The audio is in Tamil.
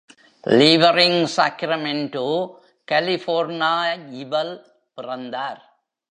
லீவரிங் சாக்ரமென்டோ, கலிஃபோர்னாயிவல் பிறந்தார்.